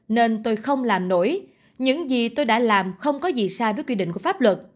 nên tôi không làm nổi những gì tôi đã làm không có gì sai với quy định của pháp luật